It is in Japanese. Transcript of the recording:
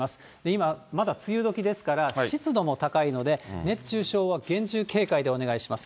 今、まだ梅雨時ですから、湿度も高いので、熱中症は厳重警戒でお願いします。